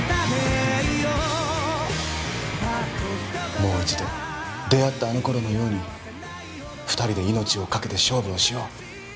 もう一度出会ったあの頃のように２人で命をかけて勝負をしよう。